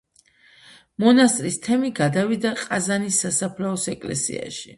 მონასტრის თემი გადავიდა ყაზანის სასაფლაოს ეკლესიაში.